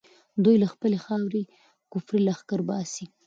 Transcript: دوی له خپلې خاورې کفري لښکر باسي.